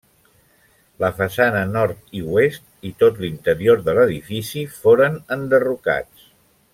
La façana nord i oest i tot l’interior de l’edifici foren enderrocats.